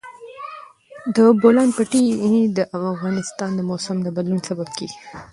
د بولان پټي د افغانستان د موسم د بدلون سبب کېږي.